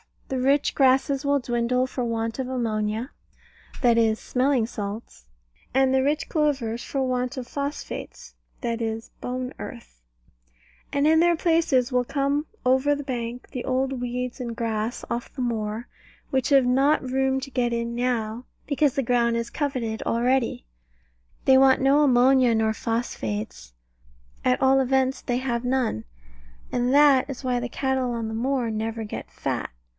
The rich grasses will dwindle for want of ammonia (that is smelling salts), and the rich clovers for want of phosphates (that is bone earth): and in their places will come over the bank the old weeds and grass off the moor, which have not room to get in now, because the ground is coveted already. They want no ammonia nor phosphates at all events they have none, and that is why the cattle on the moor never get fat.